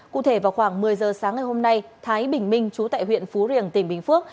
cụ thể vào khoảng một mươi giờ sáng ngày hôm nay thái bình minh chú tại huyện phú riềng tỉnh bình phước